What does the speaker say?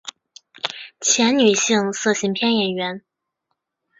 前女性色情片演员。